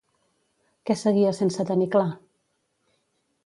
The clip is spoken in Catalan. Què seguia sense tenir clar?